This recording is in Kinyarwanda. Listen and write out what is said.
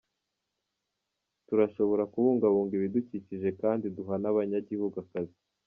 Turashobora kubungabunga ibidukikije kandi duha n'abanyagihugu akazi.